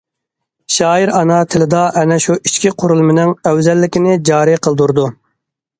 شائىر ئانا تىلدا ئەنە شۇ ئىچكى قۇرۇلمىنىڭ ئەۋزەللىكىنى جارى قىلدۇرىدۇ.